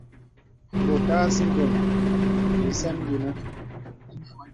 Bòt à sìdòn lìsɛm yìnə̀.